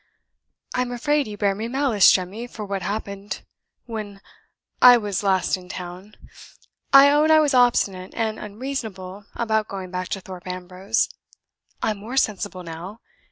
"I'm afraid you bear me malice, Jemmy, for what happened when I was last in town. I own I was obstinate and unreasonable about going back to Thorpe Ambrose. I'm more sensible now.